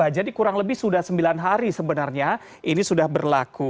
jadi kurang lebih sudah sembilan hari sebenarnya ini sudah berlaku